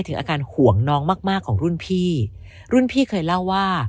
ถึงอาการห่วงน้องมากมากของรุ่นพี่รุ่นพี่เคยเล่าว่า